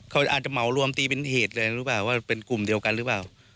เขาอาจจะเหมารวมตีเป็นเหตุเลยหรือเปล่าว่าเป็นกลุ่มเดียวกันหรือเปล่า